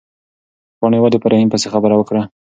پاڼې ولې په رحیم پسې خبره وکړه؟